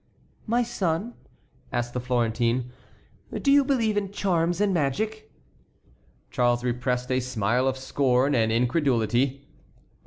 "My son," asked the Florentine, "do you believe in charms and magic?" Charles repressed a smile of scorn and incredulity.